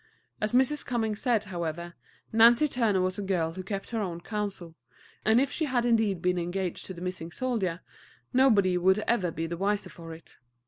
As Mrs. Cummings said, however, Nancy Turner was a girl who kept her own counsel, and if she had indeed been engaged to the missing soldier, nobody would ever be the wiser for it.